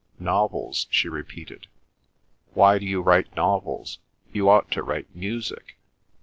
"Novels," she repeated. "Why do you write novels? You ought to write music.